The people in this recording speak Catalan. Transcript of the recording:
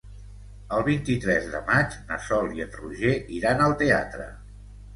El vint-i-tres de maig na Sol i en Roger iran al teatre.